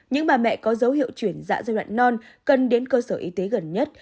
những bà mẹ có dấu hiệu chuyển dạ giai đoạn non cần đến cơ sở y tế gần nhất